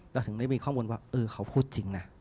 ถึงได้มีข้อมูลว่าเออเขาพูดจริงนะ